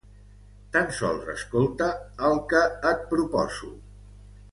Tan sols escolta el que et proposo.